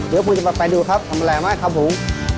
เดี๋ยวผมจะมาไปดูครับตำแหน่งอะไรครับผม